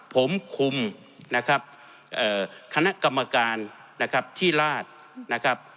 ผมคุมคณะกรรมการที่ราช